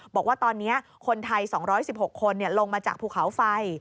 บอกว่าตอนนี้คนไทย๒๑๖คนลงมาจากภูเขาไฟ